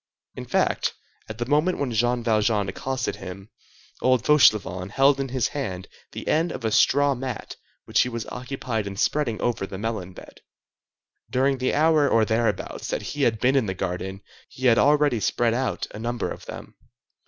In fact, at the moment when Jean Valjean accosted him, old Fauchelevent held in his hand the end of a straw mat which he was occupied in spreading over the melon bed. During the hour or thereabouts that he had been in the garden he had already spread out a number of them.